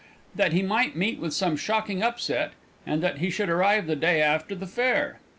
that he might meet with some shocking upset, and that he should arrive the day after the fair.